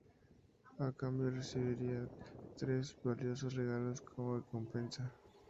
A cambio recibiría tres valiosos regalos como recompensa.